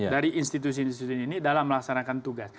dari institusi institusi ini dalam melaksanakan tugas